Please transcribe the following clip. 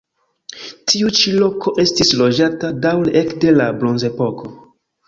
Tiu ĉi loko estis loĝata daŭre ekde la bronzepoko.